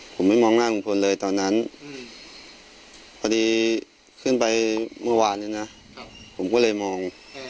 ผมไม่มองหน้าลุงพลเลยตอนนั้นพอดีขึ้นไปเมื่อวานเนี่ยนะผมก็เลยมอง